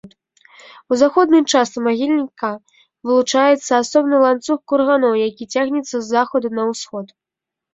У заходняй частцы могільніка вылучаецца асобны ланцуг курганоў, які цягнецца з захаду на ўсход.